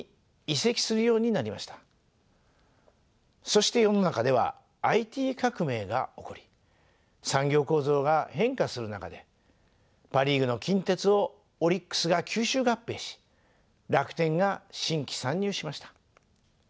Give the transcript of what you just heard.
そして世の中ではＩＴ革命が起こり産業構造が変化する中でパ・リーグの近鉄をオリックスが吸収合併し楽天が新規参入しました。